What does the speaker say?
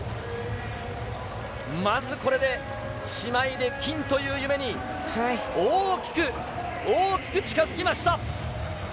まずこれで、姉妹で金という夢に大きく大きく近づきました。